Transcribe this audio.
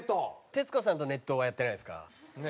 徹子さんと熱湯はやってないんですか？